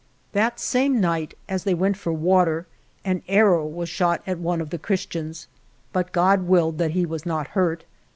That same night, as they went for water, an arrow was shot at one of the Chris tians, but God willed that he was not hurt.